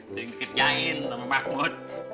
sering kerjain sama mahmud